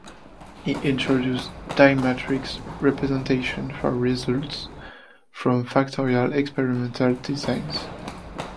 He introduced diagrammatic representations for results from factorial experimental designs.